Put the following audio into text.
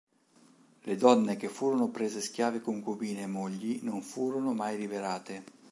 Le donne che furono prese schiave concubine e mogli non furono mai liberate.